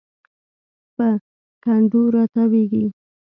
په کنډو راتاویږي